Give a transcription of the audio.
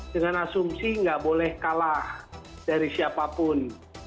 dengan asumsi nggak boleh kalah dari siapapun